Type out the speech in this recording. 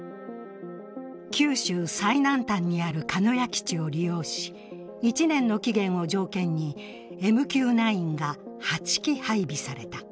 九州最南端にある鹿屋基地を利用し、１年の期限を条件にＭＱ９が８機配備された。